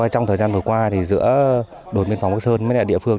trong thời gian vừa qua thì giữa đồn biên phòng bắc sơn với địa phương